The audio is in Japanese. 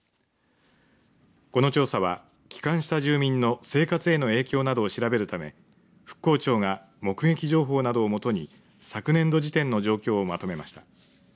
この調査は帰還した住民の生活への影響などを調べるため復興庁が目撃情報などをもとに昨年度時点の状況をまとめました。